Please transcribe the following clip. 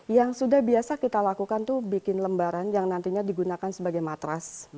yang sudah biasa kita lakukan itu bikin lembaran yang nantinya digunakan sebagai matras